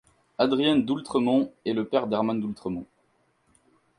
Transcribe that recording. Adrien d'Oultremont est le père d'Herman d'Oultremont.